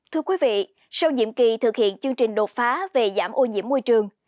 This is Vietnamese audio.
thưa quý vị sau nhiệm kỳ thực hiện chương trình đột phá về giảm ô nhiễm môi trường